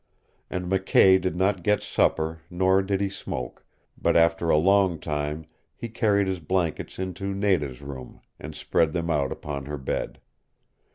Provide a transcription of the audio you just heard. And McKay did not get supper nor did he smoke, but after a long time he carried his blankets into Nada's room, and spread them out upon her bed.